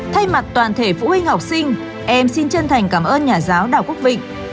thay mặt toàn thể phụ huynh học sinh em xin chân thành cảm ơn nhà giáo đào quốc vịnh